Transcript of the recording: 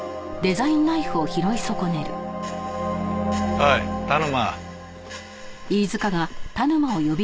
おい田沼。